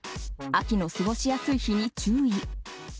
秋の過ごしやすい日に注意。